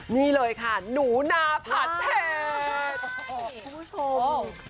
นี่เลยค่ะหนูนาผัดเผ็ด